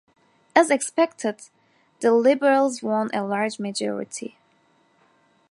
As expected, the Liberals won a large majority.